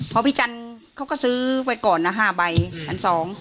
พอพี่จันทร์เขาก็ซื้อไว้ก่อนนะ๕ใบอันสอง